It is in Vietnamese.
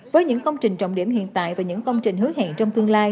với những công trình trọng điểm hiện tại và những công trình hứa hẹn trong tương lai